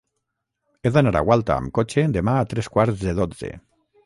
He d'anar a Gualta amb cotxe demà a tres quarts de dotze.